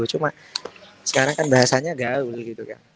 cuma sekarang kan bahasanya gaul gitu kan